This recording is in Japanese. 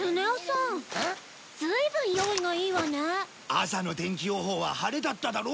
朝の天気予報は晴れだっただろ。